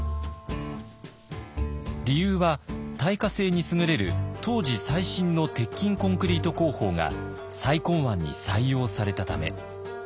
理由は耐火性に優れる当時最新の鉄筋コンクリート工法が再建案に採用されたため。